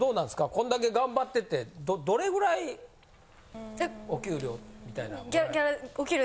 こんだけ頑張っててどれぐらいお給料みたいなん貰える。